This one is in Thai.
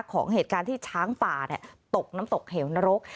ของเหตุการณ์ที่ช้างป่าตกน้ำตกเหวนรก